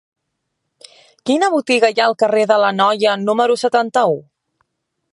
Quina botiga hi ha al carrer de l'Anoia número setanta-u?